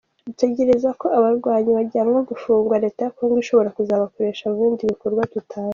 Dutekereza ko abarwanyi bajyanwa gufungwa, leta ya Congo ishobora kuzabakoresha mu bindi bikorwa tutazi.